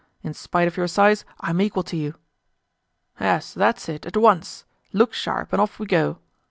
In spite of your size I'm equal to you!" "Yes, that's it, at once. Look sharp and off we go!"